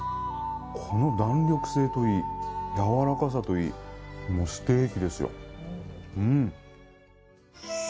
この弾力性といいやわらかさといいもうステーキですようん。